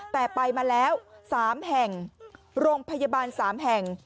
แต่ไปมาแล้ว๓แห่งโรงพยาบาล๓แห่ง